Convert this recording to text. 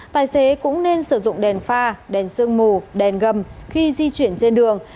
tài xế cũng nên sử dụng đèn pha đèn sương mù đèn gầm khi di chuyển trên đường